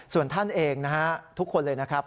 ส่วนท่านเองนะฮะทุกคนเลยนะครับ